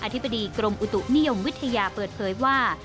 ธิบดีกรมอุตุนิยมวิทยาเปิดเผยว่า